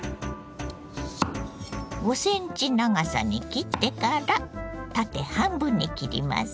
５センチ長さに切ってから縦半分に切ります。